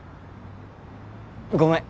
ごめん